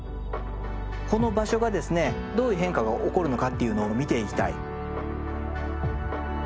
この場所がですねどういう変化が起こるのかっていうのを見ていきたい。